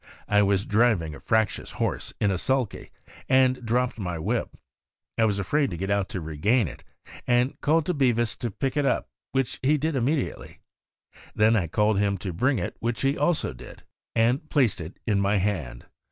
I was driving a fractious horse, in a sulky, and dropped my whip. I was afraid to get out to regain it, and called to Bevis to pick it up, which he did immediately; then I called to him to bring it, which he also did, and placed it in my hand.